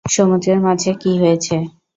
সমুদ্রের মাঝে কী হয়েছে?